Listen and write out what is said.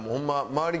周り